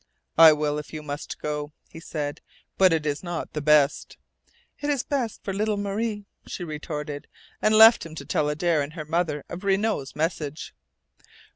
"I will, if you must go," he said. "But it is not best." "It is best for little Marie," she retorted, and left him to tell Adare and her mother of Renault's message.